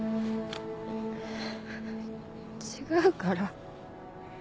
違うから。